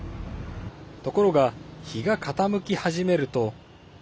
ところが、日が傾き始めると。